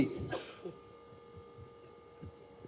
ya udahlah saya gak teruskan